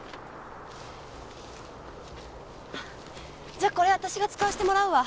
じゃこれ私が使わせてもらうわ。